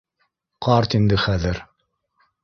Ҡарт инде хәҙер